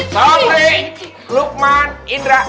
santri lukman indra